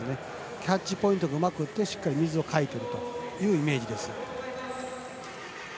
キャッチポイントがうまくてしっかり水をかいているというイメージです。